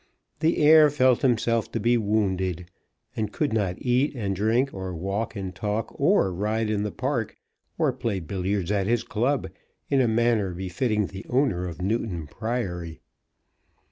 The heir felt himself to be wounded, and could not eat and drink, or walk and talk, or ride in the park, or play billiards at his club, in a manner befitting the owner of Newton Priory.